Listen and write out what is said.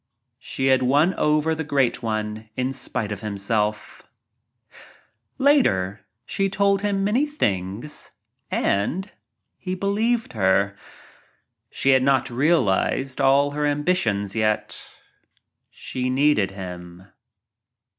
She had won over the Great One in spite of himself — Later she told him many things and — he believed her. She had ,jiot realized all her ambitions yet. She needed him.